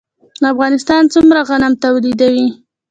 افغانستان څومره غنم تولیدوي؟